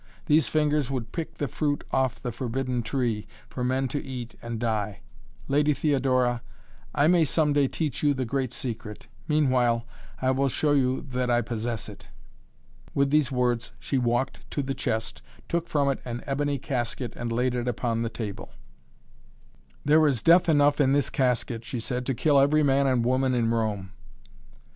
These fingers would pick the fruit off the forbidden tree, for men to eat and die! Lady Theodora I may some day teach you the great secret meanwhile I will show you that I possess it!" With these words she walked to the chest, took from it an ebony casket and laid it upon the table. "There is death enough in this casket," she said, "to kill every man and woman in Rome!"